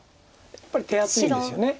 やっぱり手厚いんですよね。